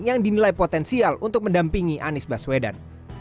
yang dinilai potensial untuk mendampingi anies baswedan